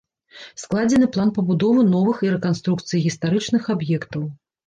Складзены план пабудовы новых і рэканструкцыі гістарычных аб'ектаў.